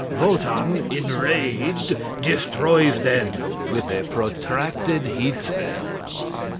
Wotan, enraged, destroys them with a protracted heat spell.